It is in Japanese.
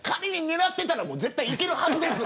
狙ってたら絶対いけるはずです。